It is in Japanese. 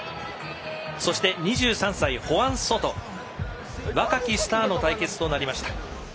そして、２３歳のホアン・ソト若きスターの対決となりました。